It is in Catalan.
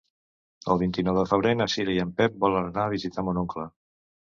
El vint-i-nou de febrer na Cira i en Pep volen anar a visitar mon oncle.